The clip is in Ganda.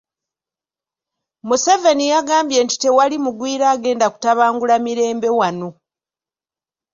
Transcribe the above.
Museveni yagambye nti tewali mugwira agenda kutabangula mirembe wano.